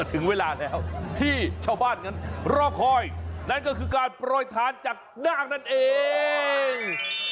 ถึงเวลาแล้วที่ชาวบ้านนั้นรอคอยนั่นก็คือการโปรยทานจากนาคนั่นเอง